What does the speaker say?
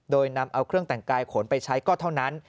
โดยนำเอาเครื่องแต่งกายขนไปใช้ก็เท่านั้น